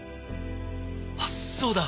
あっそうだ！